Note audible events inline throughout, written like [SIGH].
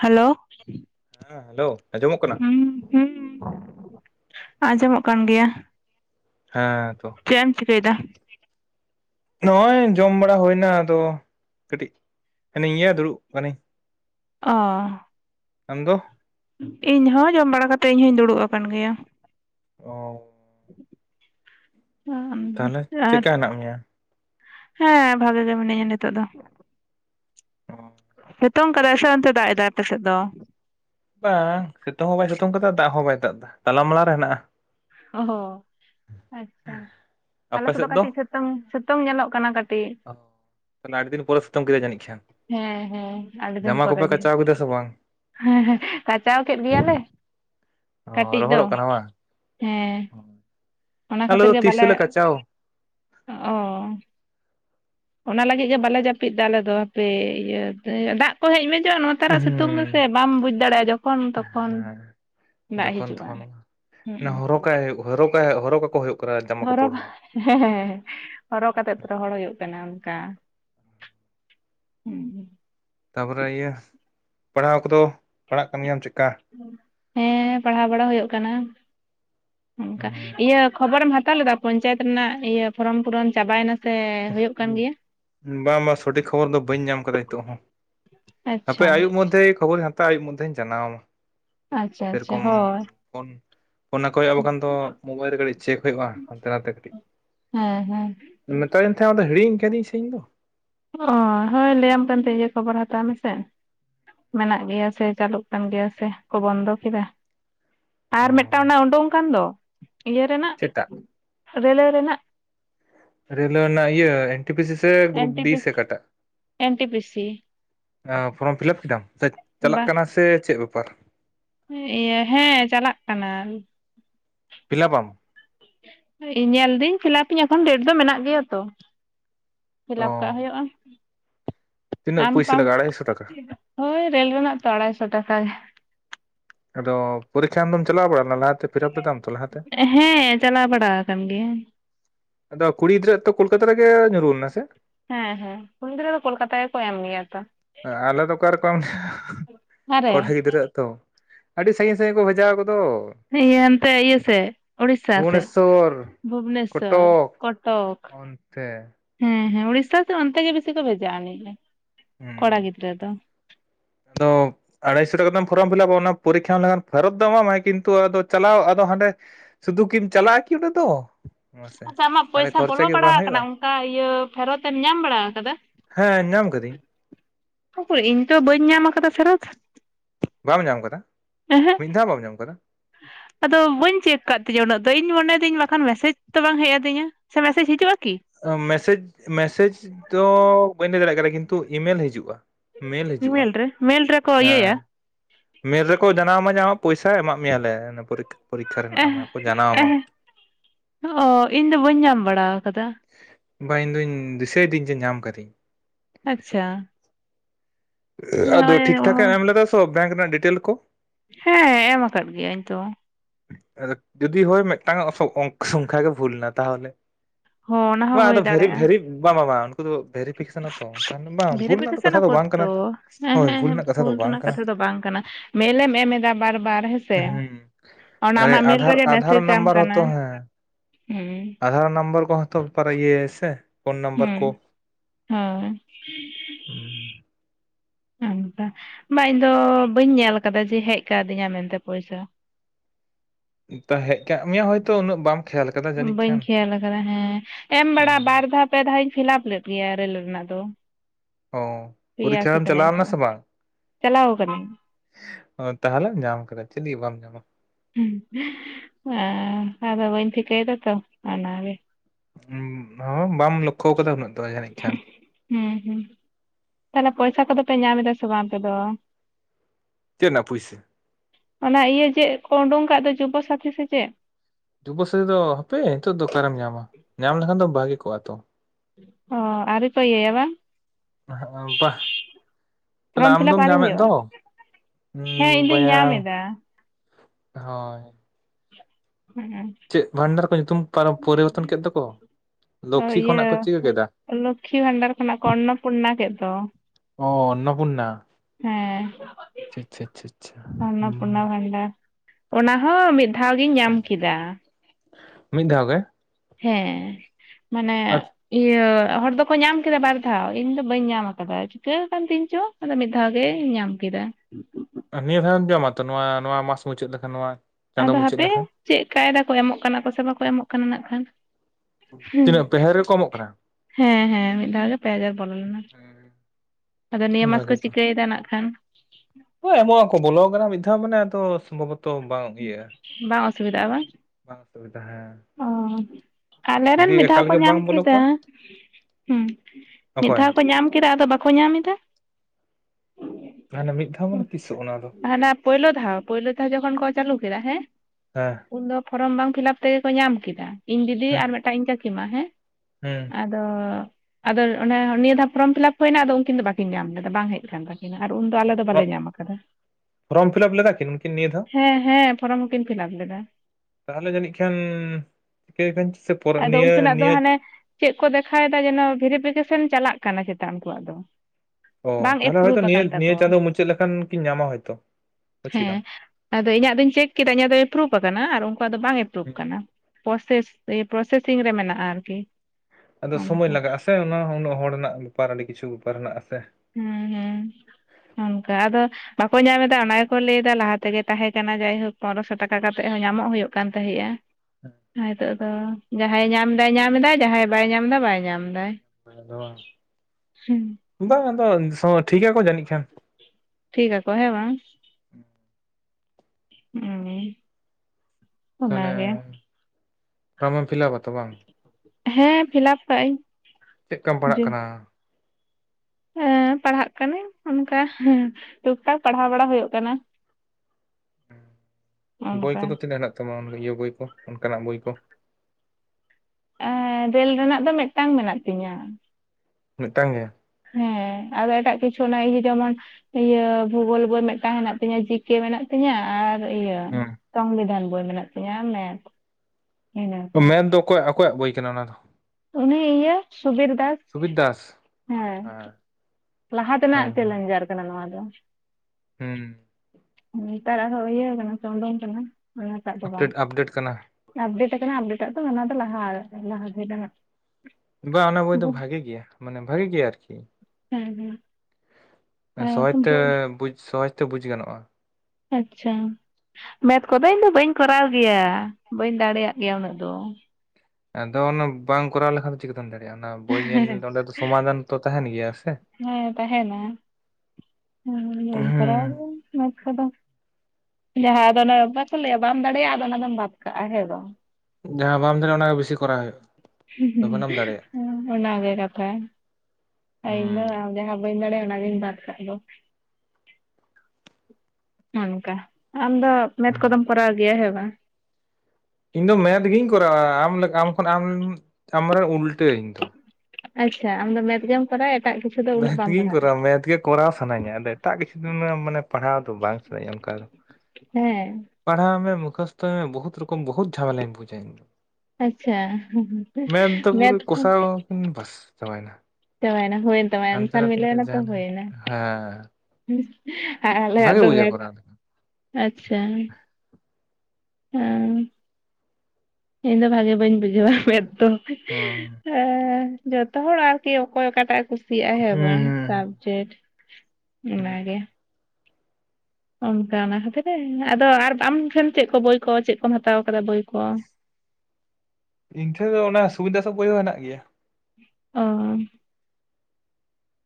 Hello ᱦᱮᱸ hello ᱟᱸᱡᱚᱢᱚᱜ ᱠᱟᱱᱟ ᱦᱩᱸ ᱦᱩᱸ ᱟᱸᱡᱚᱢᱚᱜ ᱠᱟᱱ ᱜᱮᱭᱟ ᱦᱮᱸ ᱛᱚ ᱪᱮᱫ ᱮᱢ ᱪᱤᱠᱟᱹᱭᱮᱫᱟ ᱱᱚᱜᱼᱚᱭ ᱡᱚᱢ ᱵᱟᱲᱟ ᱦᱩᱭᱱᱟ ᱟᱫᱚ ᱠᱟᱹᱴᱤᱡ ᱦᱤᱱᱟᱹᱧ ᱜᱮᱭᱟᱹ ᱫᱩᱲᱩᱵ ᱠᱟᱹᱱᱟᱧ ᱚ ᱟᱢ ᱫᱚ ᱤᱧᱦᱚᱸ ᱡᱚᱢ ᱵᱟᱲᱟ ᱠᱟᱛᱮᱫ ᱤᱧᱦᱩᱧ ᱫᱩᱲᱩᱵ ᱟᱠᱟᱱ ᱜᱮᱭᱟ ᱚ ᱛᱟᱦᱚᱞᱮ ᱟᱨ ᱪᱮᱫᱠᱟ ᱦᱮᱱᱟᱜ ᱢᱮᱭᱟ ᱦᱮᱸ ᱵᱷᱟᱜᱮ ᱜᱮ ᱢᱤᱱᱟᱹᱧᱟ ᱱᱤᱛᱚᱜ ᱫᱚ ᱚ ᱥᱤᱛᱚᱝ ᱠᱟᱫᱟᱭ ᱥᱮ ᱚᱱᱛᱮ ᱫᱟᱜ ᱮᱫᱟᱭ ᱟᱯᱮ ᱥᱮᱫ ᱫᱚ ᱵᱟᱝ ᱥᱤᱛᱩᱝ ᱦᱚᱸ ᱵᱟᱭ ᱥᱤᱛᱩᱝ ᱠᱟᱫᱟ ᱫᱟᱜ ᱦᱚᱸ ᱵᱟᱭ ᱫᱟᱜ ᱮᱫᱟ ᱛᱟᱞᱟ ᱢᱟᱞᱟ ᱨᱮ ᱦᱮᱱᱟᱜᱼᱟ ᱚ ᱦᱚ ᱟᱪᱪᱷᱟ ᱟᱯᱮ ᱟᱞᱮᱥᱮᱫ ᱫᱚ ᱥᱮᱫ ᱠᱟᱹᱴᱤᱡ ᱥᱤᱛᱩᱝ ᱥᱤᱛᱩᱝ ᱧᱮᱞᱚᱜ ᱠᱟᱱᱟ ᱠᱟᱹᱴᱤᱡ ᱚ ᱟᱹᱰᱤ ᱫᱤᱱ ᱯᱚᱨᱮ ᱥᱮᱛᱳᱝ ᱠᱮᱫᱟᱭ ᱡᱟᱹᱱᱤᱡ ᱠᱷᱟᱱ ᱦᱮᱸ ᱦᱮᱸ ᱟᱹᱰᱤ ᱫᱤᱱ ᱡᱟᱢᱟ ᱯᱚᱨᱮ ᱠᱚᱯᱮ ᱜᱮ ᱦᱮᱸ ᱠᱟᱪᱟᱣ ᱠᱮᱫᱟ ᱥᱮ ᱵᱟᱝ ᱠᱟᱸ ᱠᱟᱪᱟᱣ ᱠᱮᱫ ᱜᱮᱭᱟᱞᱮ ᱠᱟᱹᱴᱤᱡ ᱫᱚ ᱦᱮᱸ ᱩ [UNINTELLIGIBLE] ᱚᱱᱟ ᱠᱷᱟᱹᱛᱤᱨ ᱜᱮ ᱵᱟᱞᱮ ᱚ ᱚᱱᱟ ᱞᱟᱹᱜᱤᱫ ᱜᱮ ᱵᱟᱞᱮ ᱡᱟᱹᱯᱤᱫ ᱮᱫᱟ ᱟᱞᱮ ᱫᱚ ᱦᱟᱯᱮ ᱤᱭᱟᱹ ᱫᱟᱜ ᱠᱚ ᱦᱮᱡ ᱢᱮᱡᱚᱜᱼᱟ ᱱᱚᱣᱟ ᱱᱮᱛᱟᱨᱟᱜ ᱥᱤᱛᱩᱝ ᱫᱚ ᱥᱮ ᱦᱩᱸ ᱵᱟᱢ ᱵᱩᱡᱽ ᱫᱟᱲᱮᱭᱟᱜᱼᱟ ᱡᱚᱠᱷᱚᱱ ᱛᱚᱠᱷᱚᱱ ᱦᱮᱸ ᱫᱟᱜ ᱦᱤᱡᱩᱜᱼᱟ ᱦᱩᱸ ᱦᱚᱨᱚᱜᱟᱭ ᱦᱚᱨᱚᱜ ᱠᱟᱠᱚ ᱦᱩᱭᱩᱜᱼᱟ ᱦᱚᱨᱚᱜ ᱦᱮᱸ ᱦᱚᱨᱦᱚ ᱠᱟᱛᱮᱜ ᱨᱚᱦᱚᱲ ᱦᱩᱭᱩᱜ ᱠᱟᱱᱟ ᱚᱱᱠᱟ [INAUDIBLE] ᱛᱟᱯᱚᱨᱮ ᱤᱭᱟᱹ ᱯᱟᱲᱦᱟᱣ ᱠᱚᱫᱚ ᱯᱟᱲᱦᱟᱜ ᱠᱟᱱ ᱜᱮᱭᱟᱢ ᱪᱮᱫᱠᱟ ᱦᱮᱸ ᱯᱟᱲᱦᱟᱣ ᱵᱟᱲᱟ ᱦᱩᱭᱩᱜ ᱠᱟᱱᱟ ᱚᱱᱠᱟ ᱤᱭᱟᱹ ᱠᱷᱚᱵᱚᱨᱮᱢ ᱦᱟᱛᱟᱣ ᱛᱟᱣ ᱞᱮᱫᱟ ᱯᱚᱧᱪᱟᱭᱮᱛ ᱨᱮᱱᱟᱜ ᱤᱭᱟᱹ ᱯᱷᱚᱨᱚᱢ ᱯᱩᱨᱚᱱ ᱪᱟᱵᱟᱭᱱᱟ ᱵᱟᱝ ᱵᱟᱝ ᱥᱚᱴᱷᱤᱠ ᱠᱷᱚᱵᱚᱨ ᱫᱚ ᱵᱟᱹᱧ ᱧᱟᱢ ᱟᱠᱟᱫᱟ ᱱᱤᱛᱚᱜ ᱦᱚᱸ ᱦᱟᱯᱮ ᱟᱪᱪᱷᱟ ᱟᱹᱭᱩᱵ ᱢᱚᱫᱽᱫᱷᱮ ᱠᱷᱚᱵᱚᱨᱤᱧ ᱦᱟᱛᱟᱣᱟ ᱟᱹᱭᱩᱵ ᱢᱚᱫᱽᱫᱷᱮᱧ ᱡᱟᱱᱟᱣᱢᱟ ᱟᱪᱪᱷᱟ ᱟᱪᱪᱷᱟ ᱥᱮᱨᱚᱠᱚᱢ ᱦᱳᱭ ᱯᱷᱳᱱ ᱯᱷᱳᱱ ᱟᱠᱚ ᱦᱩᱭᱩᱜᱼᱟ ᱵᱟᱠᱷᱟᱱ ᱫᱚ ᱢᱳᱵᱟᱭᱤᱞ ᱨᱮ ᱠᱟᱹᱴᱤᱡ ᱪᱮᱠ ᱦᱩᱭᱩᱜᱼᱟ ᱦᱟᱱᱛᱮ ᱱᱟᱛᱮ ᱠᱟᱹᱴᱤᱡ ᱦᱮᱸ ᱦᱮᱸ ᱢᱮᱛᱟᱫᱤᱧ ᱛᱟᱦᱮᱢ ᱟᱫᱚ ᱦᱤᱲᱤᱧ ᱠᱤᱫᱤᱧ ᱥᱮ ᱤᱧ ᱫᱚ ᱚ ᱦᱳᱭ ᱞᱟᱹᱭᱟᱢ ᱠᱟᱱ ᱛᱟᱦᱮᱸᱧ ᱤᱭᱟᱹ ᱠᱷᱚᱵᱚᱨ ᱦᱟᱛᱟᱣ ᱢᱮᱥᱮ ᱢᱮᱱᱟᱜ ᱜᱮᱭᱟ ᱥᱮ ᱪᱟᱹᱞᱩᱜ ᱠᱟᱱ ᱜᱮᱭᱟ ᱥᱮ ᱠᱚ ᱵᱚᱱᱫᱚ ᱠᱮᱫᱟ ᱟᱨ ᱢᱤᱫᱴᱟᱝ ᱚᱱᱟ ᱩᱰᱩᱝ ᱟᱠᱟᱱ ᱫᱚ ᱤᱭᱟᱹ ᱨᱮᱱᱟᱜ ᱪᱮᱛᱼᱟᱜ ᱨᱮᱞᱣᱮ ᱨᱮᱱᱟᱜ ᱨᱮᱞ ᱣᱮ ᱨᱮᱱᱟᱜ ᱤᱭᱟᱹ ᱮᱱ ᱴᱤ ᱯᱤ ᱥᱤ ᱥᱮ ᱮᱱ ᱜᱨᱩᱯ ᱴᱤ ᱰᱤ ᱯᱤ ᱥᱮ ᱟᱠᱟᱴᱟᱜ ᱮᱱ ᱴᱤ ᱯᱤ ᱥᱤ [INAUDIBLE] ᱯᱷᱨᱚᱢ ᱯᱷᱤᱞᱟᱯ ᱠᱮᱫᱟᱢ ᱪᱟᱞᱟᱜ ᱠᱟᱱᱟ ᱥᱮ ᱪᱮᱫ ᱵᱮᱯᱟᱨ ᱦᱮᱸ ᱤᱭᱟᱹ ᱦᱮᱸ ᱪᱟᱞᱟᱜ ᱠᱟᱱᱟ ᱯᱷᱤᱞᱟᱯᱟᱢ ᱧᱮᱞ ᱫᱟᱹᱧ ᱯᱷᱮᱞᱟᱯ ᱤᱧ ᱮᱠᱷᱚᱱ ᱰᱮᱴ ᱫᱚ ᱢᱮᱱᱟᱜ ᱜᱮᱭᱟ ᱛᱚ ᱚ ᱯᱷᱤᱞᱟᱯ ᱠᱟᱜ ᱦᱩᱭᱩᱜᱼᱟ ᱛᱤᱱᱟᱹᱜ ᱟᱢ ᱯᱩᱭᱥᱟᱹ ᱯᱟᱢ ᱞᱟᱜᱟᱜᱼᱟ ᱟᱲᱟᱭᱥᱚ ᱴᱟᱠᱟ ᱦᱳᱭ ᱨᱮᱹᱞ ᱨᱮᱱᱟᱜ ᱛᱚ ᱟᱲᱟᱭᱥᱚ ᱴᱟᱠᱟ ᱜᱮ ᱟᱫᱚ ᱯᱚᱨᱤᱠᱠᱷᱟ ᱟᱫᱚᱢ ᱪᱟᱞᱟᱣ ᱵᱟᱲᱟ ᱞᱮᱱᱟ ᱞᱟᱦᱟᱛᱮ ᱯᱷᱤᱞᱟᱯ ᱞᱮᱫᱟᱢ ᱛᱚ ᱞᱟᱦᱟᱛᱮ ᱦᱮᱸ ᱪᱟᱞᱟᱣ ᱵᱟᱲᱟ ᱟᱠᱟᱱ ᱜᱤᱭᱟᱹᱧ ᱟᱫᱚ ᱠᱩᱲᱤ ᱜᱤᱫᱽᱨᱟᱹ ᱛᱚ ᱠᱳᱞᱠᱟᱛᱟ ᱨᱮ ᱜᱮ ᱧᱩᱨᱩ ᱞᱮᱱᱟ ᱥᱮ ᱦᱮᱸ ᱦᱮᱸ ᱠᱩᱲᱤ ᱜᱤᱫᱽᱨᱟᱹ ᱫᱚ ᱠᱚᱞᱠᱟᱛᱟ ᱜᱮᱠᱚ ᱮᱢ ᱜᱮᱭᱟ ᱛᱚ ᱟᱞᱮ ᱫᱚ ᱚᱠᱟ ᱨᱚᱠᱚᱢ ᱚᱠᱟᱨᱮ ᱠᱚᱲᱟ ᱜᱤᱫᱽᱨᱟᱹ ᱛᱚ ᱟᱹᱰᱤ ᱥᱟᱺᱜᱤᱧ ᱥᱟᱺᱜᱤᱧ ᱠᱚ ᱵᱷᱮᱡᱟ ᱠᱚᱫᱚ ᱤᱭᱟᱹ ᱚᱱᱛᱮ ᱤᱭᱟᱹ ᱥᱮ ᱩᱲᱤᱥᱥᱟ ᱥᱮᱫ ᱛᱚᱨ ᱵᱷᱩᱵᱱᱮᱥᱥᱚᱨ ᱠᱚᱴᱚᱠ ᱚᱱᱛᱮ ᱦᱮᱸ ᱦᱮᱸ ᱩᱲᱤᱥᱥᱟ ᱥᱮᱫ ᱚᱱᱛᱮ ᱜᱮ ᱵᱤᱥᱤ ᱠᱚ ᱵᱷᱮᱡᱟᱼᱟ ᱟᱹᱱᱤᱡ ᱩ [UNINTELLIGIBLE] ᱠᱚᱲᱟ ᱜᱤᱫᱽᱨᱟᱹ ᱫᱚ ᱟᱫᱚ ᱟᱲᱟᱭᱥᱚ ᱴᱟᱠᱟ ᱠᱟᱛᱮᱢ ᱯᱷᱚᱨᱚᱢ ᱯᱷᱤᱞᱟᱯᱚᱜ ᱚᱱᱟ ᱯᱚᱨᱤᱠᱷᱟ ᱞᱮᱠᱷᱟᱱ ᱯᱷᱮᱨᱚᱛ ᱫᱚᱟᱢ ᱠᱤᱱᱛᱩ ᱟᱫᱚ ᱪᱟᱞᱟᱣ ᱫᱚ ᱦᱟᱸᱰᱮ ᱥᱩᱫᱩ ᱠᱤᱢ ᱪᱟᱞᱟᱜᱼᱟ ᱠᱤ ᱚᱸᱰᱮ ᱫᱚ ᱢᱟᱥᱮ ᱟᱪᱪᱷᱟ ᱟᱢᱟᱜ ᱦᱟᱸᱰᱮ ᱯᱚᱭᱥᱟ ᱵᱚᱞᱚ ᱠᱷᱚᱨᱪᱟ ᱜᱮ ᱵᱟᱝ ᱵᱟᱲᱟᱣ ᱠᱟᱱᱟ ᱦᱩᱭᱩᱜᱼᱟ ᱚᱱᱠᱟ ᱤᱭᱟᱹ ᱯᱷᱮᱨᱚᱛ ᱮᱢ ᱧᱟᱢ ᱵᱟᱲᱟᱣ ᱠᱟᱫᱟ ᱦᱮᱸ ᱧᱟᱢ ᱠᱟᱹᱫᱟᱹᱧ ᱩᱠᱩᱨ ᱤᱧ ᱛᱚ ᱵᱟᱹᱧ ᱧᱟᱢ ᱟᱠᱟᱫᱟ ᱯᱷᱮᱨᱚᱛ ᱵᱟᱢ ᱧᱟᱢ ᱟᱠᱟᱫᱟ ᱮᱦᱮᱸᱜ ᱢᱤᱫ ᱫᱷᱟᱣ ᱵᱟᱢ ᱧᱟᱢ ᱟᱠᱟᱫᱟ ᱟᱫᱚ ᱵᱟᱹᱧ ᱪᱮᱠ ᱠᱟᱫ ᱛᱤᱧᱟᱹ ᱩᱱᱟᱹᱜ ᱫᱚ ᱤᱧ ᱢᱚᱱᱮᱭᱫᱤᱧ ᱵᱟᱠᱷᱟᱱ ᱢᱮᱥᱮᱡᱽ ᱛᱚ ᱵᱟᱝ ᱦᱮᱡ ᱟᱹᱫᱤᱧᱟ ᱥᱮ ᱢᱮᱥᱮᱡᱽ ᱦᱤᱡᱩᱜᱼᱟ ᱠᱤ ᱢᱮᱥᱮᱡᱽ ᱢᱮᱥᱮᱡᱽ ᱫᱚ ᱵᱟᱹᱧ ᱞᱟᱹᱭ ᱫᱟᱲᱮᱭᱟᱜ ᱠᱟᱱᱟ ᱠᱤᱱᱛᱩ ᱤᱼᱢᱮᱞ ᱦᱤᱡᱩᱜᱼᱟ ᱢᱮᱞ ᱦᱤᱡᱩᱜᱼᱟ ᱤᱢᱮᱞᱨᱮ ᱢᱮᱞᱨᱮᱠᱚ ᱤᱭᱟᱹᱭᱟ ᱦᱮᱸ ᱢᱮᱞ ᱨᱮᱠᱚ ᱡᱟᱱᱟᱣ ᱟᱢᱟ ᱡᱮ ᱟᱢᱟᱜ ᱯᱚᱭᱥᱟ ᱮᱢᱟᱜ ᱢᱮᱭᱟᱞᱮ ᱯᱚᱨᱤᱠᱷᱟ ᱨᱮᱱᱟᱜ ᱮᱦ ᱚᱱᱟ ᱠᱚ ᱡᱟᱱᱟᱣᱟᱢᱟ ᱮᱦ ᱚ ᱤᱧ ᱫᱚ ᱵᱟᱹᱧ ᱧᱟᱢ ᱵᱟᱲᱟᱣ ᱠᱟᱫᱟ ᱵᱟ ᱤᱧ ᱫᱩᱧ ᱫᱤᱥᱟᱹᱭ ᱫᱟᱹᱧ ᱡᱮ ᱧᱟᱢ ᱠᱟᱹᱫᱟᱹᱧ ᱟᱪᱪᱷᱟ ᱤᱧ ᱟᱫᱚ ᱴᱷᱤᱠ ᱦᱚᱸᱜᱼᱚᱭ ᱴᱷᱟᱠᱮᱢ ᱮᱢ ᱞᱮᱫᱟ ᱛᱚ ᱵᱮᱝᱠ ᱨᱮᱱᱟᱜ ᱰᱤᱴᱮᱞ ᱠᱚ ᱦᱮᱸ ᱮᱢ ᱟᱠᱟᱫ ᱜᱮᱤᱭᱟᱹᱧ ᱛᱚ ᱡᱩᱫᱤ ᱦᱳᱭ ᱢᱤᱫᱴᱟᱝ ᱥᱚᱝᱠᱷᱟ ᱜᱮ ᱵᱷᱩᱞ ᱮᱱᱟ ᱛᱟᱦᱚᱞᱮ ᱦᱚᱸ ᱚᱱᱟ ᱦᱚᱸ ᱵᱟᱝ ᱦᱩᱭ ᱟᱫᱚ ᱵᱷᱮᱨᱤ ᱫᱟᱲᱮᱭᱟᱜᱼᱟ ᱵᱷᱮᱨᱤ ᱵᱟᱝ ᱵᱟᱝ ᱩᱱᱠᱩ ᱫᱚ ᱵᱷᱨᱤᱯᱷᱤᱠᱮᱥᱚᱱ ᱛᱚᱮ ᱵᱟᱝ ᱵᱷᱩᱞ ᱨᱮᱱᱟᱜ ᱵᱷᱮᱨᱤᱯᱷᱤᱠᱮᱥᱚᱱ ᱠᱟᱛᱷᱟ ᱫᱚ ᱟᱠᱚ ᱵᱟᱝ ᱠᱟᱱᱟ ᱛᱚ ᱦᱳᱭ ᱦᱮᱸ ᱦᱮᱸ ᱦᱮᱸ ᱨᱮᱱᱟᱜ ᱠᱟᱛᱷᱟ ᱫᱚ ᱵᱷᱩᱞ ᱵᱟᱝ ᱨᱮᱱᱟᱜ ᱠᱟᱱᱟ ᱠᱟᱛᱷᱟ ᱛᱚ᱾ ᱫᱚ ᱵᱟᱝ ᱠᱟᱱᱟ ᱢᱮᱞᱮᱢ ᱮᱢ ᱮᱫᱟ ᱵᱟᱨ ᱵᱟᱨ ᱦᱮᱸᱥᱮ ᱦᱩᱸ ᱚᱱᱟ ᱟᱨᱮ ᱟᱢᱟᱜ ᱢᱮᱞ ᱟᱫᱷᱟᱨ ᱨᱮᱜᱮ ᱟᱫᱷᱟᱨ ᱢᱮᱥᱮᱡᱽ ᱮᱢ ᱱᱟᱢᱵᱟᱨ ᱠᱟᱱᱟ ᱦᱚᱸᱛᱚ ᱦᱮᱸ ᱦᱩᱸ ᱟᱫᱷᱟᱨ ᱱᱚᱢᱵᱚᱨ ᱠᱚᱦᱸᱚ ᱡᱚᱛᱚ ᱵᱮᱯᱟᱨ ᱮ ᱤᱭᱟᱹᱭᱟ ᱥᱮ ᱯᱷᱱ ᱱᱚᱢᱵᱟᱨ ᱦᱩᱸ ᱠᱚ ᱦᱳᱭ ᱚᱱᱠᱟ ᱵᱟ ᱤᱧ ᱫᱚ ᱵᱟᱹᱧ ᱧᱮᱞ ᱠᱟᱫᱟ ᱡᱮ ᱦᱮᱡ ᱠᱟᱣᱫᱤᱧᱟ ᱢᱮᱱᱛᱮ ᱯᱚᱭᱥᱟ ᱛᱟ ᱦᱮᱡ ᱠᱟᱜ ᱢᱮᱭᱟ ᱦᱳᱭᱛᱳ ᱩᱱᱟᱹᱜ ᱵᱟᱢ ᱠᱷᱮᱭᱟᱞ ᱠᱟᱫᱟ ᱡᱟᱹᱱᱤᱡ ᱵᱟᱹᱧ ᱠᱷᱟᱱ ᱠᱷᱮᱭᱟᱞ ᱟᱠᱟᱫᱟ ᱦᱮᱸ ᱮᱢ ᱵᱟᱲᱟ ᱵᱟᱨ ᱫᱷᱟᱣ ᱯᱮ ᱫᱷᱟᱣᱤᱧ ᱯᱷᱤᱞᱟᱯ ᱞᱮᱫ ᱜᱮᱭᱟ ᱨᱮᱹᱞ ᱨᱮᱱᱟᱜ ᱫᱚ ᱚ ᱯᱭᱟ ᱯᱚᱨᱤᱠᱠᱷᱟ ᱥᱮ ᱮᱢ ᱛᱤᱱᱟᱜ ᱪᱟᱞᱟᱣ ᱤᱧ ᱞᱮᱱᱟ ᱯᱷᱤᱞᱟᱯ ᱪᱟᱞᱟᱣ ᱠᱟᱱᱟᱹᱧ ᱚ ᱛᱟᱦᱚᱞᱮᱢ ᱧᱟᱢ ᱠᱟᱫᱟ ᱪᱮᱫ ᱞᱟᱜᱤᱫ ᱵᱟᱢ ᱧᱟᱢᱟ ᱟ ᱟᱫᱚ ᱵᱟᱹᱧ ᱴᱷᱤᱠᱟᱹᱭ ᱫᱟ ᱛᱚ ᱚᱱᱟ ᱜᱮ ᱦᱚᱸ ᱵᱟᱢ ᱞᱚᱠᱠᱷᱚᱣ ᱠᱟᱫᱟ ᱩᱱᱟᱹᱜ ᱫᱚ ᱡᱟᱹᱱᱤᱡ ᱠᱷᱟᱱ ᱦᱩᱸ ᱦᱩᱸ ᱛᱟᱦᱚᱞᱮ ᱯᱚᱭᱥᱟ ᱠᱚᱫᱚ ᱯᱮ ᱧᱟᱢ ᱮᱫᱟ ᱥᱮ ᱵᱟᱝ ᱟᱯᱮ ᱫᱚ ᱪᱮᱫ ᱨᱮᱱᱟᱜ ᱯᱩᱭᱥᱟᱹ ᱚᱱᱟ ᱤᱭᱟᱹ ᱪᱮᱫ ᱠᱚ ᱩᱰᱩᱝ ᱟᱠᱟᱜ ᱫᱚ ᱡᱩᱵᱚᱥᱟᱛᱷᱤ ᱥᱮ ᱪᱮᱫ ᱡᱩᱵᱚᱥᱟᱛᱷᱤ ᱫᱚ ᱦᱟᱯᱮ ᱱᱤᱛᱚᱜ ᱫᱚ ᱚᱠᱟᱨᱮᱢ ᱧᱟᱢᱟ ᱧᱟᱢ ᱞᱮᱠᱷᱟᱱ ᱫᱚ ᱵᱷᱟᱜᱤ ᱠᱚᱜᱼᱟ ᱛᱚ ᱚ ᱟᱣᱨᱤ ᱠᱚ ᱤᱭᱟᱹᱭᱟ ᱵᱟᱝ ᱵᱟ ᱛᱟᱦᱞᱮ ᱯᱷᱨᱚᱢ ᱟᱢ ᱯᱷᱤᱞᱟᱯ ᱫᱚᱢ ᱟᱹᱣᱨᱤ ᱧᱟᱢᱮᱫ ᱦᱩᱭᱩᱜᱼᱟ ᱫᱚ ᱦᱮᱸ ᱤᱧ ᱫᱩᱧ ᱵᱚᱭᱟ ᱧᱟᱢ ᱮᱫᱟ ᱦᱚᱭ ᱦᱩᱸ ᱪᱮᱫ ᱵᱷᱟᱱᱰᱟᱨ ᱠᱚ ᱧᱩᱛᱩᱢ ᱯᱚᱨᱤᱵᱚᱨᱛᱚᱱ ᱠᱮᱫ ᱫᱚᱠᱚ ᱚ ᱞᱚᱠᱠᱷᱤ ᱤᱭᱟᱹ ᱠᱷᱚᱱᱟᱜ ᱠᱚ ᱪᱤᱠᱟᱹ ᱠᱮᱫᱟ ᱞᱚᱠᱠᱷᱤ ᱵᱷᱟᱱᱰᱟᱨ ᱠᱷᱚᱱᱟᱜ ᱠᱚ ᱚᱨᱱᱚᱯᱩᱨᱱᱟ ᱠᱮᱫ ᱫᱚ ᱚ ᱚᱱᱱᱚᱯᱩᱱᱱᱟ ᱦᱮᱸ ᱚᱱᱱᱚᱯᱩᱱᱱᱟ ᱵᱷᱟᱱᱰᱟᱨ ᱚᱱᱟ ᱦᱚᱸ ᱢᱤᱫ ᱫᱷᱟᱣ ᱜᱤᱧ ᱧᱟᱢ ᱠᱮᱫᱟ ᱢᱤᱫ ᱫᱷᱟᱣ ᱜᱮ ᱦᱮᱸ ᱢᱟᱱᱮ ᱤᱭᱟᱹ ᱦᱚᱲ ᱫᱚᱠᱚ ᱧᱟᱢ ᱠᱮᱫᱟ ᱵᱟᱨ ᱫᱷᱟᱣ ᱤᱧ ᱫᱚ ᱵᱟᱹᱧ ᱧᱟᱢ ᱠᱟᱫᱟ ᱪᱤᱠᱟᱹ ᱠᱟᱱ ᱛᱤᱧ ᱪᱚ ᱟᱫᱚ ᱢᱤᱫ ᱫᱷᱟᱣ ᱜᱮᱧ ᱧᱟᱢ ᱠᱮᱫᱟ ᱱᱤᱭᱟᱹ ᱫᱷᱟᱣᱮᱢ ᱧᱟᱢᱟ ᱛᱚ ᱱᱚᱣᱟ ᱱᱚᱣᱟ ᱢᱟᱥ ᱢᱩᱪᱟᱹᱫ ᱞᱮᱠᱷᱟᱱ ᱱᱚᱣᱟ ᱪᱟᱸᱫᱳ ᱟᱫᱚ ᱢᱩᱪᱟᱹᱫ ᱦᱟᱯᱮ ᱞᱮᱠᱷᱟᱱ ᱪᱮᱫ ᱠᱟᱭᱫᱟ ᱠᱚ ᱮᱢᱚᱜ ᱠᱟᱱᱟ ᱠᱚ ᱥᱮ ᱵᱟᱠᱚ ᱮᱢᱚᱜ ᱠᱟᱱᱟ ᱱᱟᱜ ᱠᱷᱟᱱ ᱛᱤᱱᱟᱹ ᱯᱮ ᱦᱟᱡᱟᱨ ᱜᱮᱠᱚ ᱮᱢᱚᱜ ᱠᱟᱱᱟ ᱦᱮᱸ ᱦᱮᱸ ᱢᱤᱫ ᱫᱷᱟᱣ ᱜᱮ ᱯᱮᱦᱟᱡᱟᱨ ᱵᱚᱞᱚ ᱞᱮᱱᱟ ᱦᱮᱸ ᱟᱫᱚ ᱱᱤᱭᱟᱹ ᱢᱟᱥ ᱠᱚ ᱪᱤᱠᱟᱹᱭᱫᱟ ᱱᱟᱜ ᱠᱷᱟᱱ ᱦᱳᱭ ᱟᱢᱳᱜ ᱟᱠᱚ ᱵᱚᱞᱚ ᱠᱟᱱᱟ ᱢᱤᱫᱷᱟᱣ ᱢᱟᱱᱮ ᱟᱫᱚ ᱥᱚᱢᱵᱷᱚᱵᱚᱛᱚ ᱵᱟᱝ ᱤᱭᱟᱹᱜᱼᱟ ᱵᱟᱝ ᱚᱥᱩᱵᱤᱫᱷᱟ ᱟ ᱵᱟᱝ ᱵᱟᱝ ᱚᱥᱩᱵᱤᱫᱷᱟ ᱦᱮᱸ ᱚ ᱟᱞᱮ ᱨᱮᱱ ᱡᱩᱫᱤ ᱢᱤᱫᱼᱫᱷᱟᱣ ᱮᱠᱟᱞ ᱠᱚ ᱜᱮ ᱧᱟᱢ ᱵᱟᱝ ᱵᱚᱞᱚ ᱠᱮᱫᱟ ᱠᱚᱜᱼᱟ ᱦᱩᱸ ᱢᱤᱫ ᱚᱠᱚᱭ ᱫᱷᱟᱣ ᱠᱚ ᱧᱟᱢ ᱠᱮᱫᱟ ᱟᱫᱚ ᱵᱟᱠᱚ ᱧᱟᱢ ᱮᱫᱟ ᱦᱟᱱᱮ ᱢᱤᱫ ᱫᱷᱟᱣ ᱢᱟᱱᱮ ᱛᱤᱥᱚᱜ ᱚᱱᱟ ᱫᱚ ᱦᱟᱱᱟ ᱯᱳᱭᱞᱳ ᱫᱷᱟᱣ ᱯᱳᱭᱞᱳ ᱫᱷᱟᱣ ᱡᱚᱠᱷᱚᱱ ᱠᱚ ᱪᱟᱹᱞᱩ ᱠᱮᱫᱟ ᱦᱮᱸ ᱦᱮᱸ ᱩᱱᱫᱚ ᱯᱷᱚᱨᱚᱢ ᱵᱟᱝ ᱯᱷᱤᱞᱟᱯ ᱛᱮᱜᱮ ᱠᱚ ᱧᱟᱢ ᱠᱮᱫᱟ ᱤᱧ ᱫᱤᱫᱤ ᱟᱨ ᱢᱤᱫᱴᱟᱝ ᱤᱧ ᱠᱟᱹᱠᱤ ᱠᱟᱠᱤᱢᱟ ᱦᱮᱸ ᱦᱮᱸ ᱟᱫᱚ ᱟᱫᱚ ᱚᱱᱮ ᱱᱤᱭᱟᱹ ᱫᱷᱟᱣ ᱯᱷᱚᱨᱚᱢ ᱯᱷᱤᱞᱟᱯ ᱦᱩᱭᱱᱟ ᱟᱫᱚ ᱩᱱᱠᱤᱱ ᱫᱚ ᱵᱟᱹᱠᱤᱱ ᱧᱟᱢ ᱞᱮᱫᱟ ᱵᱟᱝ ᱦᱮᱡ ᱟᱠᱟᱱ ᱛᱟᱠᱤᱱᱟ ᱟᱨ ᱩᱱᱫᱚ ᱟᱞᱮ ᱫᱚ ᱵᱟᱞᱮ ᱧᱟᱢ ᱠᱟᱫᱟ ᱯᱷᱚᱨᱚᱢ ᱯᱷᱤᱞᱟᱯ ᱞᱮᱫᱟ ᱠᱤᱱ ᱩᱱᱠᱤᱱ ᱱᱤᱭᱟᱹ ᱫᱷᱟᱣ ᱦᱮᱸ ᱦᱮᱸ ᱯᱷᱚᱨᱚᱢ ᱦᱚᱸ ᱠᱤᱱ ᱯᱷᱤᱞᱟᱯ ᱞᱮᱫᱟ ᱛᱟᱦᱞᱮ ᱡᱟᱹᱱᱤᱡ ᱠᱷᱟᱱ ᱪᱤᱠᱟᱹ ᱠᱟᱱᱪᱚ ᱯᱚᱨᱮ ᱟᱫᱚ ᱱᱤᱭᱟᱹ ᱩᱱᱠᱤᱱᱟᱜ ᱫᱚ ᱱᱤᱭᱟᱹ ᱦᱟᱱᱮ ᱪᱮᱫ ᱠᱚ ᱫᱮᱠᱷᱟᱣ ᱮᱫᱟ ᱡᱮᱱᱚ ᱵᱷᱮᱨᱤᱯᱷᱤᱠᱮᱥᱚᱱ ᱪᱟᱞᱟᱜ ᱠᱟᱱᱟ, ᱪᱮᱛᱟ ᱩᱱᱠᱩᱣᱟᱜ ᱫᱚ᱾ ᱚ ᱵᱟᱝ ᱛᱟᱦᱚᱞᱮ ᱦᱚᱭᱛᱚ ᱮᱯᱨᱩᱵᱷ ᱱᱤᱭᱟᱹ ᱟᱠᱟᱱ ᱱᱤᱭᱟᱹ ᱛᱟᱠᱚᱣᱟ ᱪᱟᱸᱫᱳ ᱢᱩᱪᱟᱹᱫ ᱞᱮᱠᱷᱟᱱ ᱠᱤᱱ ᱧᱟᱢᱟ ᱦᱚᱭᱛᱚ ᱵᱩᱡ ᱠᱮᱫᱟᱢ ᱦᱮᱸ ᱟᱫᱚ ᱤᱧᱟᱜ ᱫᱚᱧ ᱪᱮᱠ ᱠᱮᱫᱟ ᱤᱧᱟᱜ ᱫᱚ ᱮᱯᱨᱩᱯ ᱠᱟᱱᱟ ᱟᱨ ᱩᱱᱠᱩᱣᱟᱜ ᱫᱚ ᱵᱟᱝ ᱮᱯᱨᱩᱯ ᱠᱟᱱᱟ ᱯᱨᱚᱥᱮᱥ ᱯᱨᱚᱥᱮᱥᱤᱝ ᱨᱮ ᱢᱮᱱᱟᱜᱼᱟ ᱟᱨᱠᱤ ᱟᱫᱚ ᱥᱚᱢᱚᱭ ᱚᱱᱠᱟ ᱞᱟᱜᱟᱜᱼᱟᱥᱮ ᱚᱱᱟ ᱩᱱᱟᱹᱜ ᱦᱚᱲ ᱨᱮᱱᱟᱜ ᱵᱮᱯᱟᱨ ᱟᱹᱰᱤ ᱠᱤᱪᱷᱩ ᱵᱮᱯᱟᱨ ᱦᱮᱱᱟᱜ ᱟᱥᱮ ᱦᱩᱸ ᱦᱩᱸ ᱚᱱᱠᱟ ᱫᱚ ᱵᱟᱠᱚ ᱧᱟᱢ ᱮᱫᱟ ᱚᱱᱟ ᱜᱮᱠᱚ ᱞᱟᱹᱭᱫᱟ ᱞᱟᱦᱟ ᱛᱮᱜᱮᱢ ᱛᱟᱦᱮᱸ ᱠᱟᱱᱟ ᱡᱟᱭᱦᱳᱠ ᱯᱚᱱᱨᱚᱥᱚ ᱴᱟᱠᱟ ᱠᱟᱛᱮᱫ ᱦᱚᱸ ᱧᱟᱢᱚᱜ ᱦᱩᱭᱩᱜ ᱠᱟᱱ ᱛᱟᱦᱮᱸᱫᱼᱟ ᱦᱮᱸ ᱱᱤᱛᱳᱜ ᱫᱚ ᱡᱟᱦᱟᱸᱭ ᱧᱟᱢᱫᱟᱭ ᱧᱟᱢᱫᱟᱭ ᱡᱟᱦᱟᱸᱭ ᱵᱟᱭ ᱧᱟᱢᱫᱟ ᱵᱟᱭ ᱧᱟᱢᱫᱟᱭ ᱵᱟᱝ ᱟᱫᱚ ᱥᱚ ᱴᱷᱤᱠ ᱜᱮᱭᱟᱠᱚ ᱡᱟᱹᱱᱤᱡ ᱠᱷᱟᱱ ᱴᱷᱤᱠᱟᱠᱚ ᱦᱮᱸ ᱵᱟᱝ ᱦᱩ ᱛᱟᱦᱚᱞᱮ ᱯᱷᱚᱨᱢᱮᱢ ᱯᱷᱤᱞᱟᱯᱟᱛᱚ ᱵᱟᱝ ᱦᱮᱸ ᱯᱷᱤᱞᱟᱯ ᱠᱟᱜ ᱟᱹᱧ ᱪᱮᱫ ᱞᱮᱠᱟᱢ ᱯᱟᱲᱦᱟᱜ ᱠᱟᱱᱟ ᱦᱮᱸ ᱯᱟᱲᱦᱟᱜ ᱠᱟᱹᱱᱟᱹᱧ ᱚᱱᱠᱟ ᱴᱩᱠ ᱴᱟᱠ ᱯᱟᱲᱦᱟᱣ ᱵᱟᱲᱟ ᱦᱩᱭᱩᱜ ᱠᱟᱱᱟ ᱵᱳᱭ ᱚᱱᱠᱟ ᱠᱚᱫᱚ ᱛᱤᱱᱟᱹᱜ ᱦᱮᱱᱟᱜ ᱛᱟᱢᱟ ᱤᱭᱟᱹ ᱵᱳᱭ ᱠᱚ ᱚᱱᱠᱟᱱᱟᱜ ᱵᱳᱭ ᱠᱚ ᱨᱮᱞ ᱨᱮᱱᱟᱜ ᱫᱚ ᱢᱤᱫᱴᱟᱝ ᱢᱮᱱᱟᱜ ᱛᱤᱧᱟ ᱢᱤᱫᱴᱟᱝ ᱜᱮ ᱦᱮᱸ ᱟᱫᱚ ᱮᱴᱟᱜ ᱠᱤᱪᱷᱩ ᱚᱱᱟ ᱤᱭᱟᱹ ᱡᱮᱢᱚᱱ ᱤᱭᱟᱹ ᱵᱷᱩᱜᱳᱞ ᱵᱳᱭ ᱢᱤᱫᱴᱟᱝ ᱦᱮᱱᱟᱜ ᱛᱤᱧᱟ ᱡᱤᱠᱮ ᱢᱮᱱᱟᱜ ᱛᱤᱧᱟ ᱟᱨ ᱤᱭᱟᱹ ᱥᱚᱝᱵᱤᱫᱷᱟᱱ ᱵᱳᱭ ᱢᱮᱱᱟᱜ ᱛᱤᱧᱟ ᱟᱨ ᱢᱮᱛᱷ ᱤᱱᱟᱹ ᱠᱚ ᱢᱮᱛ ᱫᱚ ᱚᱠᱚᱭ ᱚᱠᱚᱭᱟᱜ ᱵᱳᱭ ᱠᱟᱱᱟ ᱚᱱᱟ ᱫᱚ? ᱩᱱᱤ ᱤᱭᱟᱹ ᱥᱩᱵᱤᱨ ᱫᱟᱥ ᱥᱩᱵᱤᱨ ᱫᱟᱥ ᱦᱮᱸ ᱞᱟᱦᱟ ᱛᱮᱱᱟᱜ ᱪᱮᱞᱮᱧᱡᱟᱨ ᱠᱟᱱᱟ ᱱᱚᱣᱟ ᱫᱚ ᱦᱩᱸ ᱱᱮᱛᱟᱨ ᱟᱨᱚ ᱤᱭᱟᱹ ᱠᱟᱱᱟ ᱥᱮ ᱳᱰᱳᱝ ᱠᱟᱱᱟ ᱚᱱᱟᱴᱟᱜ ᱫᱚ ᱵᱟᱝ ᱟᱯᱰᱮᱴ ᱟᱯᱰᱮᱴ ᱠᱟᱱᱟ ᱟᱯᱰᱮᱴ ᱠᱟᱱᱟ ᱟᱯᱰᱮᱴᱟᱜ ᱫᱚ ᱚᱱᱟ ᱫᱚ ᱞᱟᱦᱟ ᱞᱟᱦᱟ [UNINTELLIGIBLE] ᱵᱟᱝ ᱚᱱᱟ ᱵᱳᱭ ᱫᱚ ᱵᱩ ᱵᱷᱟᱜᱮ ᱜᱮᱭᱟ ᱢᱟᱱᱮ ᱵᱷᱟᱜᱮ ᱜᱮᱭᱟ ᱟᱨᱠᱤ ᱦᱮᱸ ᱦᱮᱸ ᱥᱚᱦᱚᱡᱽ ᱦᱮᱸ ᱛᱮ ᱵᱳᱭ ᱵᱩᱡᱽ ᱥᱚᱦᱚᱡᱽ ᱛᱮ ᱵᱩᱡᱽ ᱜᱟᱱᱚᱜᱼᱟ ᱟᱪᱪᱷᱟ ᱢᱮᱛᱷ ᱠᱚᱫᱚ ᱤᱧ ᱫᱚ ᱵᱟᱹᱧ ᱠᱚᱨᱟᱣ ᱜᱮᱭᱟ ᱵᱟᱹᱧ ᱫᱟᱲᱮᱭᱟᱜ ᱜᱮᱭᱟ ᱩᱱᱟᱹᱜ ᱫᱚ ᱟᱫᱚ ᱚᱱᱟ ᱵᱟᱝ ᱠᱚᱨᱟᱣ ᱞᱮᱠᱷᱟᱱ ᱫᱚ ᱪᱤᱠᱟᱹᱛᱮᱢ ᱫᱟᱲᱮᱭᱟᱜᱼᱟ ᱚᱱᱟ ᱵᱳᱭ ᱧᱮᱞ ᱧᱮᱞᱛᱮ ᱚᱸᱰᱮ ᱫᱚ ᱥᱚᱢᱟᱫᱷᱟᱱ ᱛᱚ ᱛᱟᱦᱮᱱ ᱜᱮᱭᱟ ᱥᱮ ᱦᱮᱸ ᱛᱟᱸᱦᱮᱱᱟ ᱦᱮ ᱵᱟ. ᱧ ᱠᱚᱨᱟᱣ ᱦᱩᱸ ᱠᱟᱫᱟ ᱢᱮᱛᱷ ᱠᱚᱫᱚ ᱡᱟᱦᱟᱸ ᱟᱫᱚ ᱚᱱᱟ ᱵᱟᱠᱚ ᱞᱟᱹᱭᱟ ᱵᱟᱢ ᱫᱟᱲᱮᱭᱟᱜᱼᱟ ᱟᱫᱚ ᱚᱱᱟ ᱫᱚᱢ ᱵᱟᱫ ᱠᱟᱜᱼᱟ ᱦᱮᱸ ᱵᱟᱝ ᱡᱟᱦᱟᱸ ᱵᱟᱢ ᱫᱟᱲᱮᱭᱟᱜᱼᱟ ᱚᱱᱟᱜᱮ ᱵᱮᱥᱤ ᱠᱚᱨᱟᱣ ᱦᱩᱭᱩᱜᱼᱟ [UNINTELLIGIBLE] ᱛᱚᱵᱮᱱᱟᱢ ᱫᱟᱲᱮᱭᱟᱜᱼᱟ ᱚᱱᱟᱜᱮ ᱠᱟᱛᱷᱟ ᱦᱩᱸ ᱯᱳᱭᱞᱳ ᱟᱨ ᱡᱟᱦᱟᱸ ᱵᱟᱹᱧ ᱫᱟᱲᱮᱭᱟᱜᱼᱟ ᱚᱱᱟᱜᱮᱧ ᱵᱟᱫ ᱠᱟᱜ ᱫᱚ ᱚᱱᱠᱟ ᱟᱢ ᱫᱚ ᱢᱮᱛᱷ ᱦᱩᱸ ᱠᱚᱫᱚᱢ ᱠᱚᱨᱟᱣ ᱜᱮᱭᱟ ᱦᱮᱸ ᱵᱟᱝ? ᱤᱧ ᱫᱚ ᱢᱮᱛᱷ ᱜᱤᱧ ᱠᱚᱨᱟᱣᱟ ᱟᱢ ᱞᱮᱠᱟ ᱟᱢ ᱠᱷᱚᱱ ᱟᱢ ᱟᱢᱨᱮᱱ ᱩᱞᱴᱟᱹ ᱤᱧ ᱫᱚ ᱟᱪᱪᱷᱟ ᱟᱢ ᱫᱚ ᱢᱮᱛᱷ ᱜᱮᱢ ᱠᱚᱨᱟᱣᱟ ᱮᱴᱟᱜ ᱠᱤᱼᱼ ᱢᱮᱛᱷ ᱜᱮᱤᱧ ᱠᱚᱨᱟᱣᱟ ᱢᱮᱛᱷ ᱜᱮ ᱠᱚᱨᱟᱣ ᱥᱟᱱᱟᱧᱟ ᱟᱫᱚ ᱮᱴᱟᱜ ᱠᱤᱪᱷᱩ ᱫᱚᱱᱟ ᱢᱟᱱᱮ ᱯᱟᱲᱦᱟᱣ ᱫᱚ ᱵᱟᱝ ᱥᱟᱱᱟᱧᱟ ᱚᱱᱠᱟ ᱫᱚ ᱦᱮᱸ ᱯᱟᱲᱦᱟᱣ ᱢᱮ ᱢᱩᱠᱷᱚᱥᱛᱚᱛ ᱢᱮ ᱵᱚᱦᱩᱛ ᱨᱚᱠᱚᱢ ᱵᱚᱦᱩᱛ ᱡᱷᱟᱢᱮᱞᱟᱧ ᱵᱩᱡᱷᱣᱟ ᱟᱪᱪᱷᱟ ᱢᱮᱛᱷ ᱫᱚ ᱯᱩᱨᱟᱹ ᱢᱮᱛ ᱠᱷᱟᱱ ᱠᱚᱥᱟᱣ ᱞᱮᱠᱷᱟᱱ ᱵᱟᱥ ᱪᱟᱵᱟᱭᱮᱱᱟ ᱪᱟᱵᱟᱭᱮᱱᱟ ᱦᱳᱭ ᱛᱚᱵᱮ ᱦᱟᱱᱛᱮ ᱮᱱᱥᱟᱨ ᱱᱟᱛᱮ ᱠᱟᱛᱮ ᱢᱤᱞᱟᱹᱣᱱᱟ ᱛᱚ ᱡᱟᱦᱟᱸ ᱞᱮᱠᱟ ᱦᱩᱭᱱᱟ ᱦᱮᱸ ᱟᱨ ᱟᱞᱮᱭᱟᱜ ᱵᱷᱟᱜᱮ ᱫᱚ ᱵᱩᱡᱷᱟᱹᱜ ᱢᱮᱛᱷ ᱠᱚᱨᱟᱣ ᱞᱮᱠᱷᱟᱱ ᱟᱪᱪᱷᱟ [INAUDIBLE] ᱦᱮᱸ ᱤᱧ ᱫᱚ ᱵᱷᱟᱜᱮ ᱵᱟᱹᱧ ᱵᱩᱡᱷᱟᱹᱣᱟ ᱢᱮᱛᱷ ᱫᱚ ᱦᱩᱸ [UNINTELLIGIBLE] ᱦᱮᱸ ᱡᱚᱛᱚ ᱦᱚᱲ ᱟᱨᱠᱤ ᱚᱠᱚᱭ ᱚᱠᱟᱴᱟᱜ ᱠᱩᱥᱤ ᱭᱟᱜᱼᱟ ᱵᱟᱝ ᱦᱩᱸ ᱦᱩᱸ ᱥᱟᱵᱡᱮᱠᱴ ᱦᱩᱸ ᱚᱱᱟᱜᱮ ᱚᱱᱠᱟ ᱚᱱᱟ ᱦᱚ ᱛᱚᱵᱮ ᱟᱫᱚ ᱟᱨ ᱟᱢ ᱴᱷᱮᱱ ᱪᱮᱫ ᱠᱚ ᱵᱳᱭ ᱠᱚ ᱪᱮᱫ ᱠᱚᱢ ᱦᱟᱛᱟᱣ ᱠᱟᱫᱟ ᱵᱳᱭ ᱠᱚ? ᱤᱧ ᱴᱷᱮᱱ ᱫᱚ ᱚᱱᱟ ᱥᱩᱵᱤᱨ ᱫᱟᱥ ᱟᱜ ᱵᱚᱭ ᱦᱚᱸ ᱦᱮᱱᱟᱜ ᱜᱮᱭᱟ ᱚᱻ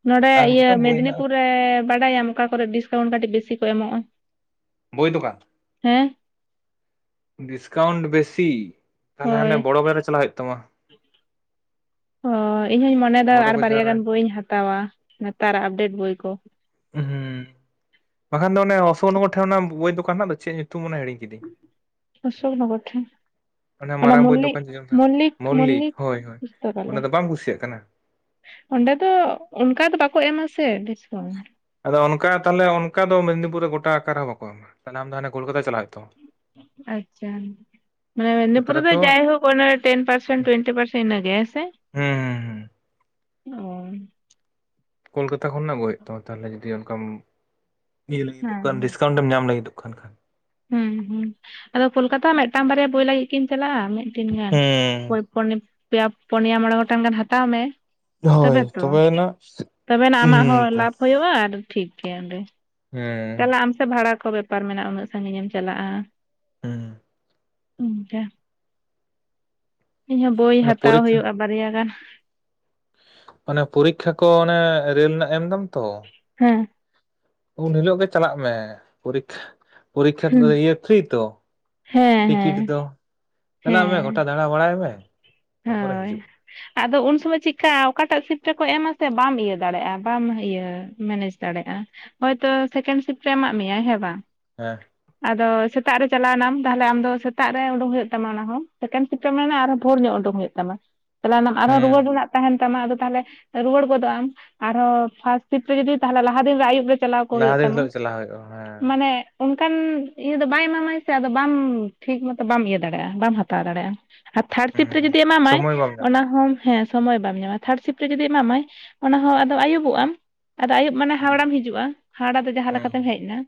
ᱱᱚᱰᱮ ᱟᱨ ᱤᱭᱟᱹ ᱢᱤᱫᱴᱟᱝ ᱵᱳᱭ ᱢᱮᱫᱽᱱᱤᱯᱩᱨ ᱦᱮᱱᱟᱜᱼᱟ ᱨᱮ ᱵᱟᱰᱟᱭᱟᱢ ᱚᱠᱟ ᱠᱚᱨᱮ ᱰᱤᱥᱠᱟᱣᱩᱱᱴ ᱠᱟᱹᱴᱤᱡ ᱵᱮᱥᱤ ᱠᱚ ᱮᱢᱚᱜᱼᱟ? ᱵᱳᱭ ᱫᱚᱠᱟᱱ? ᱦᱮᱸ ᱰᱤᱥᱠᱟᱣᱩᱱᱴ ᱵᱮᱥᱤ ᱛᱟᱦᱞᱮ ᱦᱳᱭ ᱦᱟᱸᱰᱮ ᱵᱚᱲᱚ [UNINTELLIGIBLE] ᱪᱟᱞᱟᱜ ᱦᱩᱭᱩᱜ ᱛᱟᱢᱟ ᱚ ᱤᱧᱦᱚᱧ ᱢᱚᱱᱮᱭᱮᱫᱟ ᱵᱚᱲᱚ ᱟᱨ ᱵᱟᱡᱟᱨ ᱵᱟᱨᱭᱟ ᱨᱮ ᱜᱟᱱ ᱵᱳᱭᱤᱧ ᱦᱟᱛᱟᱣᱟ ᱱᱮᱛᱟᱨᱟᱜ ᱟᱯᱰᱮᱴ ᱵᱳᱭ ᱠᱚ ᱦᱩᱸ ᱵᱟᱠᱷᱟᱱ ᱫᱚ ᱚᱱᱮ ᱚᱥᱳᱠ ᱱᱚᱜᱚᱨ ᱴᱷᱮᱱ ᱚᱱᱟ ᱵᱳᱭ ᱫᱚᱠᱟᱱ ᱦᱮᱱᱟᱜ ᱫᱚ ᱪᱮᱫ ᱧᱩᱛᱩᱢ ᱚᱱᱟ ᱦᱤᱲᱤᱧ ᱠᱤᱫᱟᱹᱧ ᱚᱥᱳᱠ ᱱᱚᱜᱚᱨ ᱴᱷᱮᱱ? ᱚᱱᱮ ᱚᱱᱟ ᱢᱟᱨᱟᱝ ᱵᱳᱭ ᱢᱚᱞᱞᱤ ᱫᱚᱠᱟᱱ ᱪᱮᱫ ᱪᱚᱝ ᱢᱚᱞᱞᱤᱠ ᱢᱚᱞᱞᱤᱠ ᱦᱳᱭ ᱦᱳᱭ ᱚᱸᱰᱮ ᱯᱩᱥᱛᱠᱟᱞᱚᱭ ᱫᱚ ᱵᱟᱢ ᱠᱩᱥᱤᱭᱟᱜ ᱠᱟᱱᱟ ᱚᱸᱰᱮ ᱫᱚ ᱚᱱᱠᱟ ᱫᱚ ᱵᱟᱠᱚ ᱮᱢᱟᱥᱮ ᱰᱤᱥᱠᱟᱣᱩᱱᱴ ᱟᱫᱚ ᱚᱱᱠᱟ ᱛᱟᱦᱚᱞᱮ ᱚᱱᱠᱟ ᱫᱚ ᱢᱮᱫᱽᱱᱤᱯᱩᱨ ᱨᱮ ᱜᱚᱴᱟ ᱟᱠᱟ ᱨᱮ ᱦᱚᱸ ᱵᱟᱠᱚ ᱮᱢᱟ ᱛᱟᱦᱞᱮ ᱟᱢ ᱫᱚ ᱦᱟᱱᱮ ᱠᱳᱞᱠᱟᱛᱟ ᱪᱟᱞᱟᱣ ᱦᱩᱭᱩᱜ ᱛᱟᱢᱟ ᱟᱪᱪᱷᱟ ᱠᱳᱞᱠᱟᱛᱟ ᱢᱮᱫᱱᱤᱯᱩᱨ ᱫᱚ ᱨᱮᱛᱚ ᱡᱟᱭᱦᱳᱠ ᱚᱱᱮ ᱴᱮᱱ ᱯᱟᱨᱥᱮᱱᱴ ᱴᱩᱭᱮᱱᱴᱤ ᱯᱟᱨᱥᱮᱱᱴ ᱤᱱᱟᱹ ᱜᱮ ᱦᱮᱥᱮ ᱦᱩᱸ ᱦᱩᱸ ᱦᱩᱸ ᱦᱮᱸ ᱠᱳᱞᱠᱟᱛᱟ ᱠᱷᱚᱱᱟᱜ ᱟᱜᱩ ᱦᱩᱭᱩᱜ ᱛᱟᱢᱟ ᱛᱟᱦᱚᱞᱮ ᱡᱩᱫᱤᱢ ᱚᱱᱠᱟᱢ ᱦᱮᱸ [UNINTELLIGIBLE] ᱰᱤᱥᱠᱟᱣᱩᱱᱴᱢ ᱧᱟᱢ ᱞᱟᱹᱜᱤᱫᱚᱜ ᱠᱟᱱ ᱠᱷᱟᱱ ᱦᱩᱸ ᱦᱩᱸ ᱟᱫᱚ ᱠᱳᱞᱠᱟᱛᱟ ᱢᱤᱫᱴᱟᱝ ᱵᱟᱨᱭᱟ ᱵᱳᱭ ᱞᱟᱹᱜᱤᱫ ᱠᱤᱱ ᱪᱟᱞᱟᱜᱼᱟ ᱢᱤᱫᱴᱤᱱ ᱜᱟᱱ ᱦᱩᱸ [UNINTELLIGIBLE] ᱯᱮᱭᱟ ᱯᱩᱱᱭᱟ ᱢᱚᱬᱮ ᱜᱚᱴᱟᱝ ᱜᱟᱱ ᱦᱟᱛᱟᱣ ᱢᱮ᱾ ᱦᱳᱭ ᱛᱚᱵᱮ ᱛᱚ ᱛᱚᱵᱮᱭᱟᱱᱟᱜ ᱛᱚᱵᱮᱱᱟᱜ ᱦᱩᱸ ᱟᱢᱟᱜ ᱦᱚᱸ ᱛᱚ ᱞᱟᱵᱷ ᱦᱩᱭᱩᱜᱼᱟ ᱟᱨ ᱴᱷᱤᱠᱜᱮᱭᱟ ᱚᱸᱰᱮ ᱦᱩᱸ ᱪᱟᱞᱟᱜ ᱟᱢ ᱥᱮ ᱵᱷᱟᱲᱟ ᱠᱚ ᱵᱮᱯᱟᱨ ᱢᱮᱱᱟᱜᱼᱟ ᱩᱱᱟᱹᱜ ᱥᱟᱺᱜᱤᱧᱮ ᱮᱢ ᱪᱟᱞᱟᱜᱼᱟ ᱦᱮᱸ [UNINTELLIGIBLE] ᱤᱧᱦᱚᱸ ᱵᱳᱭ ᱚᱱᱮ ᱦᱟᱛᱟᱣ ᱯᱚᱨᱤᱠᱠᱷᱟ ᱦᱩᱭᱩᱜᱼᱟ ᱵᱟᱨᱭᱟ ᱜᱟᱱ᱾ ᱚᱱᱮ ᱯᱚᱨᱤᱠᱷᱟ ᱠᱚ ᱚᱱᱮ ᱨᱮᱞ ᱨᱮᱱᱟᱜ ᱮᱢᱫᱟᱢ ᱛᱚ ᱦᱮᱸ ᱩᱱ ᱦᱤᱞᱳᱜ ᱜᱮ ᱪᱟᱞᱟᱜ ᱢᱮ ᱯᱚᱨᱤᱠᱷᱟ ᱯᱚᱨᱤᱠᱷᱟ ᱛᱮᱫᱚ ᱤᱭᱟᱹ ᱯᱷᱨᱤ ᱛᱚ ᱦᱮᱸ ᱴᱤᱠᱤᱴ ᱦᱮᱸ ᱫᱚ ᱪᱟᱞᱟᱜ ᱢᱮ ᱦᱮᱸ ᱜᱚᱴᱟ ᱫᱟᱰᱟ ᱵᱟᱲᱟᱭ ᱢᱮ ᱛᱟᱯᱚᱨᱮ ᱦᱳᱭ ᱦᱤᱡᱩᱜ ᱟᱫᱚ ᱩᱱ ᱥᱚᱢᱚᱭ ᱪᱮᱫᱞᱮᱠᱟ ᱚᱠᱟᱴᱟᱜ ᱥᱤᱯ ᱨᱮᱠᱚ ᱮᱢᱟ ᱥᱮ ᱵᱟᱢ ᱤᱭᱟᱹ ᱫᱟᱲᱮᱭᱟᱜᱼᱟ ᱵᱟᱢ ᱤᱭᱟᱹ ᱢᱮᱱᱮᱡᱽ ᱫᱟᱲᱮᱭᱟᱜᱼᱟ ᱦᱳᱭᱛᱳ ᱥᱮᱠᱮᱱᱰ ᱥᱤᱴ ᱨᱮ ᱮᱢᱟᱜ ᱢᱮᱭᱟ ᱦᱮᱸ ᱵᱟᱝ ᱦᱮᱸ ᱟᱫᱚ ᱥᱮᱛᱟᱜ ᱨᱮ ᱪᱟᱞᱟᱣᱮᱱᱟᱢ ᱛᱟᱦᱚᱞᱮ ᱟᱢ ᱫᱚ ᱥᱮᱛᱟᱜ ᱨᱮ ᱩᱰᱩᱠ ᱦᱩᱭᱩᱜ ᱛᱟᱢᱟ ᱚᱱᱟᱦᱚᱸ ᱥᱮᱠᱮᱱᱰ ᱥᱤᱯᱴ ᱨᱮ ᱢᱮᱱᱟ ᱟᱨᱦᱚᱸ ᱯᱷᱳᱨ ᱧᱚᱜ ᱩᱰᱩᱝ ᱦᱩᱭᱩᱜ ᱛᱟᱢᱟ ᱪᱟᱞᱟᱣᱱᱟᱢ ᱦᱮᱸ ᱟᱨᱦᱚᱸ ᱨᱩᱣᱟᱹᱲ ᱦᱩᱸ ᱨᱮᱱᱟᱜ ᱛᱟᱦᱮᱱ ᱛᱟᱢ ᱛᱟᱢᱟ ᱟᱫᱚ ᱛᱟᱦᱚᱞᱮ ᱨᱩᱣᱟᱹᱲ ᱜᱚᱫᱚᱜ ᱟᱢ ᱟᱨᱦᱚᱸ ᱯᱷᱟᱥᱴ ᱥᱤᱴ ᱨᱮ ᱡᱩᱫᱤ ᱛᱟᱦᱚᱞᱮ ᱞᱟᱦᱟ ᱫᱤᱱ ᱨᱮ ᱟᱭᱩᱵ ᱨᱮ ᱪᱟᱞᱟᱣ ᱠᱚᱜ ᱞᱟᱦᱟ ᱦᱩᱭᱩᱜ ᱫᱤᱱ ᱛᱟᱢᱟ ᱦᱤᱞᱳᱜ ᱪᱟᱞᱟᱣ ᱦᱩᱭᱩᱜᱼᱟ ᱦᱮᱸ ᱢᱟᱱᱮ ᱚᱱᱠᱟᱱ ᱤᱭᱟᱹ ᱫᱚ ᱵᱟᱭ ᱮᱢᱟᱢᱟ ᱥᱮ ᱟᱫᱚ ᱵᱟᱢ ᱴᱷᱤᱠ ᱢᱚᱛᱚ ᱵᱟᱢ ᱤᱭᱟᱹ ᱫᱟᱲᱮᱭᱟᱜᱼᱟ ᱵᱟᱢ ᱦᱟᱛᱟᱣ ᱫᱟᱲᱮᱭᱟᱜᱼᱟ ᱟᱨ ᱛᱷᱟᱲ ᱥᱤᱯᱴ ᱨᱮ ᱦᱩᱸ ᱡᱩᱫᱤ ᱮᱢᱟᱢᱟᱭ ᱥᱚᱢᱚᱭ ᱵᱟᱢ ᱧᱟᱢᱟ ᱚᱱᱟ ᱦᱚᱸᱢ ᱦᱮᱸ ᱥᱚᱢᱚᱭ ᱵᱟᱢ ᱧᱟᱢᱟ ᱛᱷᱟᱲ ᱥᱤᱯ ᱨᱮ ᱡᱩᱫᱤ ᱮᱢᱟᱢᱟᱭ ᱚᱱᱟ ᱦᱚᱸ ᱟᱫᱚ ᱟᱹᱭᱩᱵᱚᱜ ᱟᱢ ᱟᱫᱚ ᱟᱹᱭᱩᱵ ᱢᱟᱱᱮ ᱦᱩᱸ ᱦᱟᱣᱲᱟᱢ ᱦᱤᱡᱩᱜᱼᱟ ᱦᱟᱣᱲᱟ ᱫᱚ ᱡᱟᱦᱟᱸ ᱦᱩᱸ ᱞᱮᱠᱟᱛᱮᱢ ᱦᱮᱡ ᱮᱱᱟ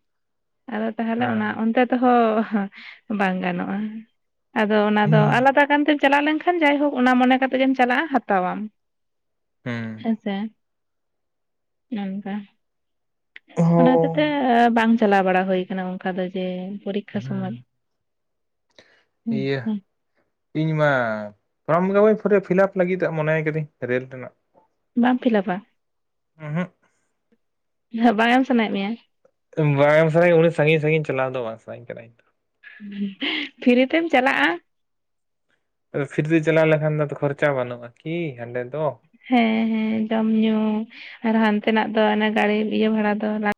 ᱟᱫᱚ ᱛᱟᱦᱚᱞᱮ ᱦᱮᱸ ᱚᱱᱟ ᱚᱱᱛᱮ ᱦᱚᱸ ᱵᱟᱝ ᱜᱟᱱᱚᱜᱼᱟ ᱟᱫᱚ ᱚᱱᱟ ᱫᱚ ᱦᱩᱸ ᱟᱞᱟᱫᱟ ᱠᱟᱱ ᱛᱮ ᱪᱟᱞᱟᱣ ᱞᱮᱱᱠᱷᱟᱱ ᱡᱟᱭᱦᱳᱠ ᱚᱱᱟ ᱢᱚᱱᱮ ᱠᱟᱛᱮ ᱜᱮᱢ ᱪᱟᱞᱟᱜᱼᱟ ᱦᱟᱛᱟᱣᱟᱢ ᱦᱩᱸ ᱦᱮᱸᱥᱮ ᱚᱱᱠᱟ ᱚᱱᱟ ᱦᱚᱛᱮᱡ ᱛᱮ ᱦᱚᱸ ᱚᱸ ᱵᱟᱝ ᱪᱟᱞᱟᱣ ᱵᱟᱲᱟ ᱦᱩᱭ ᱟᱠᱟᱱᱟ ᱚᱱᱠᱟ ᱫᱚ ᱡᱮ ᱯᱚᱨᱤᱠᱠᱷᱟ ᱯᱚᱨᱤᱠᱠᱷᱟ ᱦᱩᱸ ᱥᱚᱢᱚᱭ ᱦᱩᱸ ᱤᱭᱟᱹ ᱦᱩᱸ ᱤᱧ ᱢᱟ ᱯᱷᱨᱚᱢᱜᱮᱵᱟᱹᱧ ᱯᱮᱨᱮᱡ ᱯᱷᱤᱞᱟᱯ ᱞᱟᱹᱜᱤᱫ ᱢᱚᱱᱮᱭ ᱟᱠᱟᱫᱟᱹᱧ ᱨᱮᱹᱞ ᱨᱮᱱᱟᱜ᱾ ᱵᱟᱢ ᱯᱷᱤᱞᱟᱯᱟ ᱩᱸᱦᱩᱸᱜ ᱦᱮᱸ ᱵᱟᱝ ᱮᱢ ᱥᱟᱱᱟᱭᱮᱫ ᱢᱮᱭᱟ? ᱵᱟᱝ ᱮᱢ ᱥᱟᱱᱟᱧ ᱩᱱᱤ ᱥᱟᱺᱜᱤᱧ ᱥᱟᱺᱜᱤᱧ ᱪᱟᱞᱟᱣ ᱫᱚ ᱵᱟᱝ ᱥᱟᱱᱟᱧ ᱠᱟᱱᱟᱹᱧ ᱤᱧ ᱫᱚ ᱯᱷᱨᱤᱛᱮᱢ ᱪᱟᱞᱟᱜᱼᱟ ᱟᱫᱚ ᱯᱷᱨᱤᱛᱮ ᱪᱟᱞᱟᱣ ᱞᱮᱠᱷᱟᱱ ᱫᱚ ᱠᱷᱚᱨᱪᱟ ᱵᱟᱹᱱᱩᱜᱼᱟ ᱠᱤ ᱦᱟᱸᱰᱮ ᱫᱚ ᱦᱮᱸ ᱦᱮᱸ ᱡᱚᱢ ᱧᱩ ᱟᱨ ᱦᱟᱱᱛᱮᱱᱟᱜ ᱫᱚ ᱜᱟᱹᱲᱤ ᱤᱭᱟᱹ ᱵᱷᱟᱲᱟ ᱫᱚ ᱞᱟ